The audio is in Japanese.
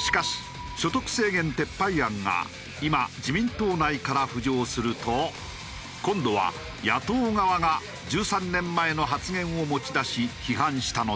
しかし所得制限撤廃案が今自民党内から浮上すると今度は野党側が１３年前の発言を持ち出し批判したのだ。